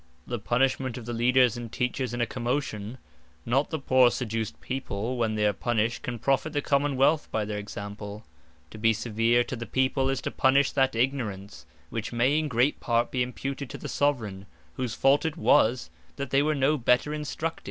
The Punishment of the Leaders, and teachers in a Commotion; not the poore seduced People, when they are punished, can profit the Common wealth by their example. To be severe to the People, is to punish that ignorance, which may in great part be imputed to the Soveraign, whose fault it was, they were no better instructed.